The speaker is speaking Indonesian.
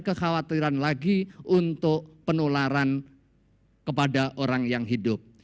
kekhawatiran lagi untuk penularan kepada orang yang hidup